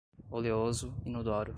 oleoso, inodoro